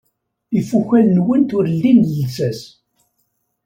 Ifukal-nwent ur lin llsas.